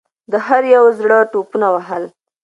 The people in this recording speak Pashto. د هر یوه زړه ټوپونه وهل.